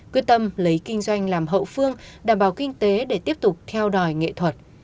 quyết tâm lấy kinh doanh làm hậu phương đảm bảo kinh tế để tiếp tục theo đòi nghệ thuật